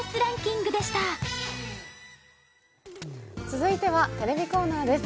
続いてはテレビコーナーです。